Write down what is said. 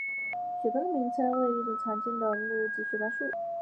雪邦的名称来源为当地一种常见的树木即雪邦树。